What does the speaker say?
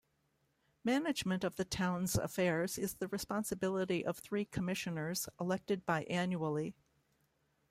Management of the town's affairs is the responsibility of three Commissioners, elected biannually.